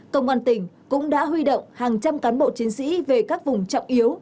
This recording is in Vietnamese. công an tỉnh cũng đã huy động hàng trăm cán bộ chiến sĩ về các vùng trọng yếu